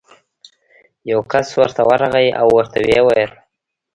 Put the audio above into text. یو کس ورته ورغی او ورته ویې ویل: